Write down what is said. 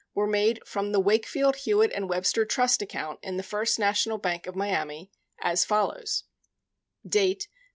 were made from the Wake field, Hewitt & Webster trust account in the First National Bank of Miami, as follows : Date: Amount Nov.